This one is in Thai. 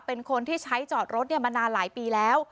เป็นคนที่ใช้จอดรถมานานหลายปีแล้ว